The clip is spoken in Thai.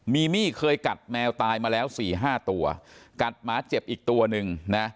มีมี่เคยกัดแมวตายมาแล้วสี่ห้าตัวกัดหมาเจ็บอีกตัวหนึ่งนะ